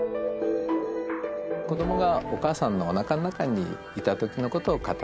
子供がお母さんのおなかの中にいたときのことを語る。